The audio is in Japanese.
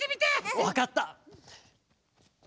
わかった！